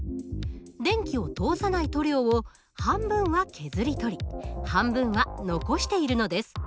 電気を通さない塗料を半分は削り取り半分は残しているのです。